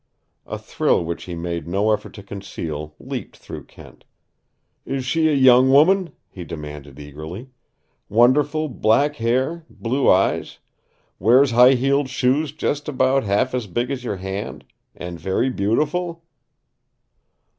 A thrill which he made no effort to conceal leaped through Kent. "Is she a young woman?" he demanded eagerly. "Wonderful black hair, blue eyes, wears high heeled shoes just about half as big as your hand and very beautiful?"